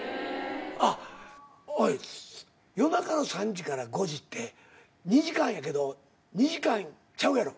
おい夜中の３時から５時って２時間やけど２時間ちゃうやろ？